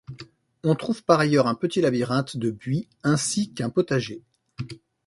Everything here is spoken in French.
On trouve par ailleurs un petit labyrinthe de buis ainsi qu'un potager.